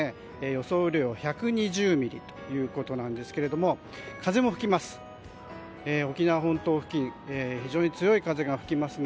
予想雨量１２０ミリということですが風も吹きます。